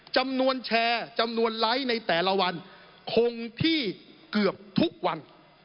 จำนวนแชร์จำนวนไลค์ในแต่ละวันคงที่เกือบทุกวัน